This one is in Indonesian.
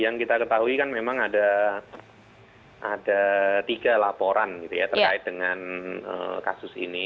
yang kita ketahui kan memang ada tiga laporan gitu ya terkait dengan kasus ini